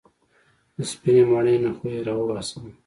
د سپينې ماڼۍ نه خو يې راوباسمه.